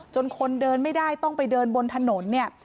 คนเดินไม่ได้ต้องไปเดินบนถนนเนี่ย